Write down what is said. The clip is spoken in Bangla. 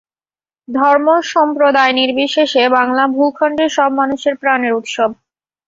ধর্ম সম্প্রদায়নির্বিশেষে বাংলা ভূখণ্ডের সব মানুষের প্রাণের উৎসব।